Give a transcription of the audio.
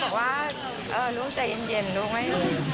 ก็เลยบอกว่าลูกใจเย็นลูกให้ลูก